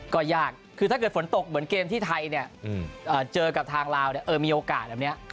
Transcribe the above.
ก็ยากคือถ้าเกิดฝนตกเหมือนเกมที่ไทยเนี่ยเจอกับทางลาวมีโอกาสแบบนี้